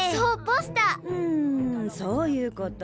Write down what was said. んそういうこと。